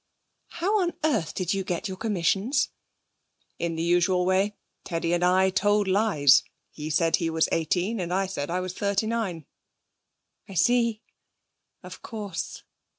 'How on earth did you get your commissions?' 'In the usual way. Teddy and I told lies. He said he was eighteen and I said I was thirty nine.' 'I see. Of course.'